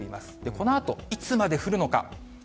このあと、いつまで降るのか。